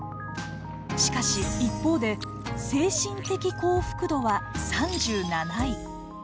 しかし一方で精神的幸福度は３７位。